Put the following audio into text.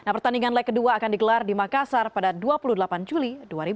nah pertandingan leg kedua akan digelar di makassar pada dua puluh delapan juli dua ribu dua puluh